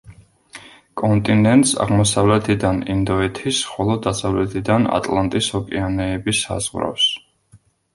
კონტინენტს აღმოსავლეთიდან ინდოეთის ხოლო დასავლეთიდან ატლანტის ოკეანეები საზღვრავს.